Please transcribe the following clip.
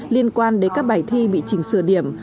liên quan đến các bài thi bị chỉnh sửa điểm